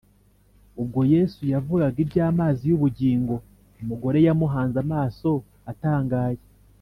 Ubwo Yesu yavugaga iby’amazi y’ubugingo, umugore yamuhanze amaso atangaye.